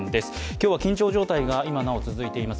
今日は緊張状態が今なお続いています